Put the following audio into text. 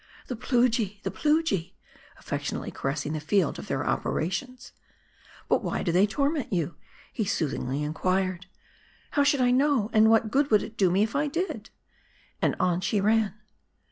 "The Plujii] the Plujii!" affectionately caressing the field of their operations. ... "But why do they torment you ?" he soothingly inquired. " How should I know ? and what good would it do me if I did?" And on she ran.